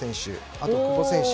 あと久保選手。